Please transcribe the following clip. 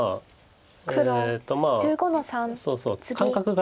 黒１５の三ツギ。